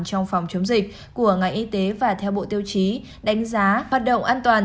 trong phòng chống dịch của ngành y tế và theo bộ tiêu chí đánh giá hoạt động an toàn